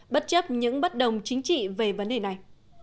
bất chấp những bất đồng chính trị về vấn đề này